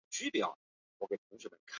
兰屿鱼藤为豆科鱼藤属下的一个种。